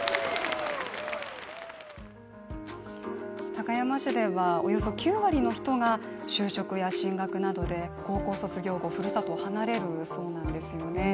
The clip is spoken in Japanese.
高山市ではおよそ９割の人が就職や進学などで、高校卒業後、ふるさとを離れるそうなんですよね。